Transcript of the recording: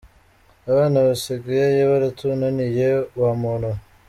Abana basigaye baratunaniye wa muntu we.